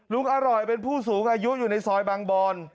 ลุงอร่อยเป็นผู้สูงอายุอยู่ในซอยบางบอน